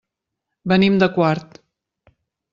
Venim de Quart.